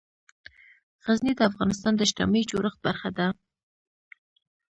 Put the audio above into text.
غزني د افغانستان د اجتماعي جوړښت برخه ده.